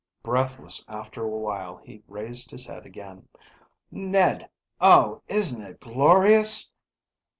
Breathless after a while he raised his head again. "Ned! Oh, isn't it glorious!"